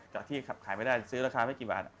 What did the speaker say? จากที่ขับขายไม่ได้ซื้อราคาไม่กี่บาท